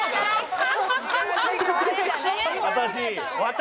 私。